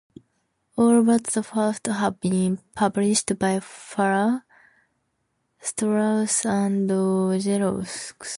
All but the first have been published by Farrar, Straus and Giroux.